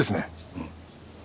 うん。